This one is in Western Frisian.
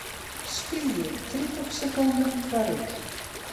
Spylje tritich sekonden foarút.